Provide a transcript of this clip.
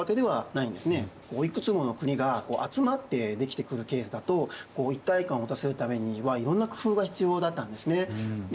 いくつもの国が集まって出来てくるケースだと一体感を持たせるためにはいろんな工夫が必要だったんですね。